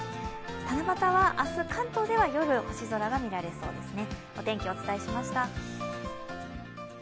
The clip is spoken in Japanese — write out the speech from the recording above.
七夕は明日、関東では夜星空が見られそうですね。